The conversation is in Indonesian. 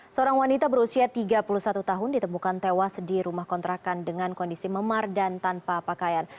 seorang wanita berusia tiga puluh satu tahun ditemukan tewas di rumah kontrakan dengan kondisi memar dan tanpa pakaian